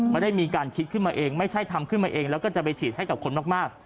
ไม่ได้มีการคิดขึ้นมาเองไม่ใช่ทำขึ้นมาเองแล้วก็จะไปฉีดให้กับคนมาก